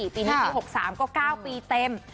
ปี๑๙๖๓ก็๙ปีเต็ม